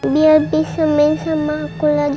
biar bisa main sama aku lagi